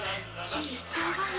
聞いたわよ。